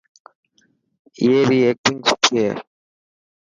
اي ري ايڪٽنگ سٺي هي.